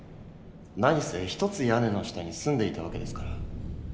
何せ一つ屋根の下に住んでいたわけですから。